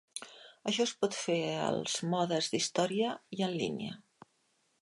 Això es pot fer als modes d'història i en línia.